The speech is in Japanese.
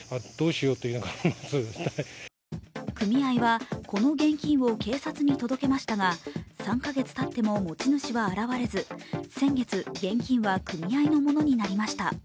組合はこの現金を警察に届けましたが３か月たっても持ち主は現れず先月、現金は組合のものになりました。